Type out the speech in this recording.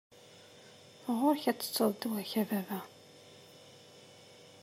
Ɣur-k ad tettuḍ ddwa-k, a baba.